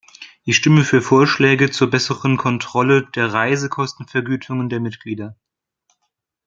Ich stimme für Vorschläge zur besseren Kontrolle der Reisekostenvergütungen der Mitglieder.